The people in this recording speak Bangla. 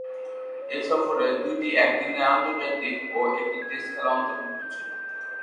এ সফরে দুইটি একদিনের আন্তর্জাতিক ও একটি টেস্ট খেলা অন্তর্ভুক্ত ছিল।